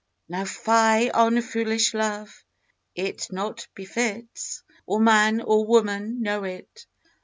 Now fie on foolish love, it not befits Or man or woman know it.